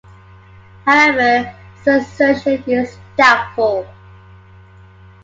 However, this assertion is doubtful.